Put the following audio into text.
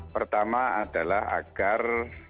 pertama adalah agar